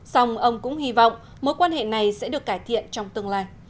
xong ông cũng hy vọng mối quan hệ này sẽ được cải thiện trong tương lai